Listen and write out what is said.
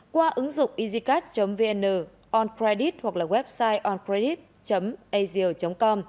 qua ứng dụng easycast vn oncredit hoặc website oncredit vn